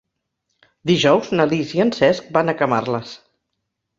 Dijous na Lis i en Cesc van a Camarles.